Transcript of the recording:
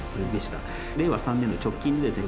令和３年度直近でですね